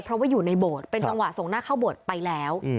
เพราะว่าอยู่ในโบสถ์เป็นจังหวะส่งหน้าเข้าโบสถ์ไปแล้ว